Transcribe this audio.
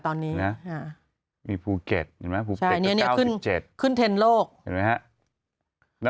ตอนนี้นะฮะมีภูเก็ตเห็นไหมภูเก็ตจะเก้าสิบเจ็ดขึ้นเทรนโลกเห็นไหมฮะ